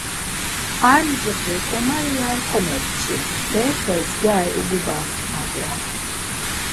Ar mcixi ǩonari yaği komepçi, berepes gyari ugubas ma do.